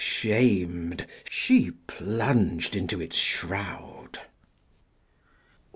Shamed she plunged into its shroud.